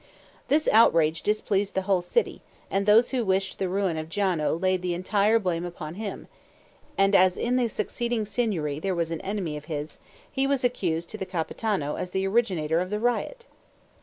This outrage displeased the whole city, and those who wished the ruin of Giano laid the entire blame upon him; and as in the succeeding Signory there was an enemy of his, he was accused to the Capitano as the originator of the riot.